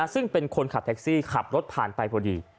ซึ่งเป็นคนขับแท็กซี่ขับรถผ่านไปพอดี